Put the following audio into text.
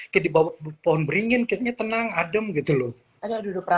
kayak dibawa pohon beringin kayaknya tenang adem gitu loh adem adem adem adem adem adem adem adem adem adem